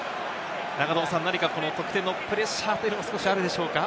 何か得点のプレッシャーというのもあるでしょうか？